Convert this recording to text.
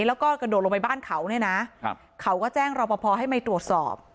แล้วก็กระโดดลงไปบ้านเขาเนี่ยนะเขาก็แจ้งรอปภให้มาตรวจสอบ